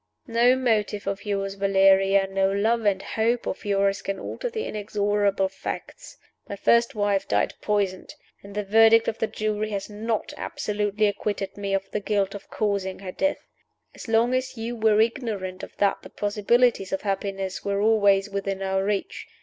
"No motive of yours, Valeria, no love and hope of yours, can alter the inexorable facts. My first wife died poisoned; and the verdict of the jury has not absolutely acquitted me of the guilt of causing her death. As long as you were ignorant of that the possibilities of happiness were always within our reach.